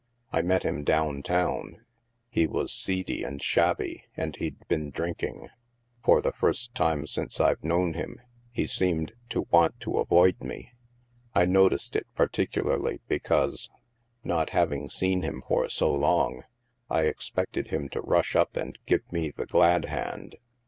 I met him down town. He was seedy and shabby, and he'd been drinking. For the first time since I've known him, he seemed to want to avoid me. I noticed it particularly because, not having seen him for so long, I expected him to rush up and give me the glad hand."